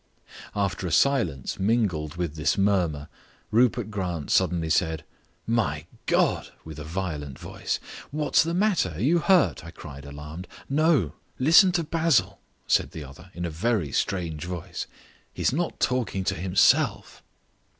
After a silence mingled with this murmur, Rupert Grant suddenly said, "My God!" with a violent voice. "What's the matter are you hurt?" I cried, alarmed. "No. Listen to Basil," said the other in a very strange voice. "He's not talking to himself."